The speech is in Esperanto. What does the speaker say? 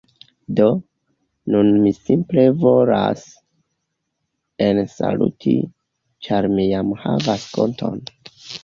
Do, nun mi simple volas ensaluti ĉar mi jam havas konton